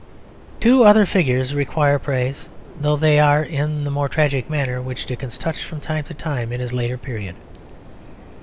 Two other figures require praise, though they are in the more tragic manner which Dickens touched from time to time in his later period.